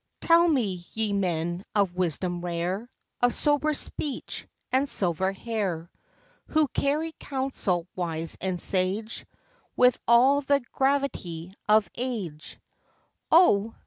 ŌĆØ Tell me, ye men, of wisdom rare, Of sober speech and silver hair; Who carry counsel wise and sage, With all the gravity of age; Oh